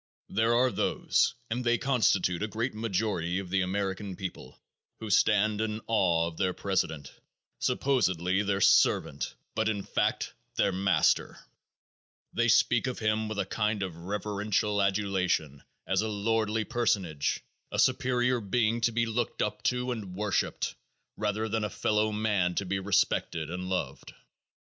There are those, and they constitute a great majority of the American people, who stand in awe of their president, supposedly their servant, but in fact their master; they speak of him with a kind of reverential adulation as a lordly personage, a superior being to be looked up to and worshiped rather than a fellowman to be respected and loved.